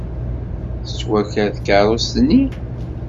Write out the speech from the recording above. Tettwaker tkeṛṛust-nni?